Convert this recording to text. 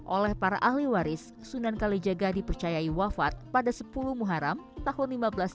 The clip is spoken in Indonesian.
oleh para ahli waris sunan kalijaga dipercayai wafat pada sepuluh muharam tahun seribu lima ratus tiga puluh